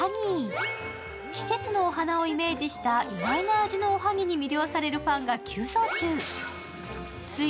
季節のお花をイメージした意外な味のおはぎに魅了されるファンが急増中。